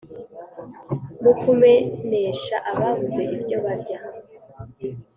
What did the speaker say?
mu kumenesha ababuze ibyo barya